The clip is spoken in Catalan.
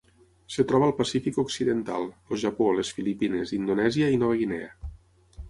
Es troba al Pacífic Occidental: el Japó, les Filipines, Indonèsia i Nova Guinea.